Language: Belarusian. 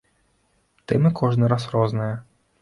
Тэмы кожны раз розныя.